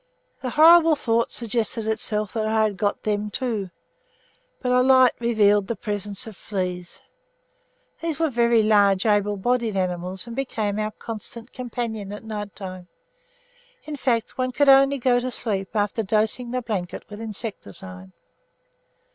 The horrible thought suggested itself that I had got "them" too, but a light revealed the presence of fleas. These were very large able bodied animals and became our constant companions at nighttime; in fact, one could only get to sleep after dosing the blanket with insecticide.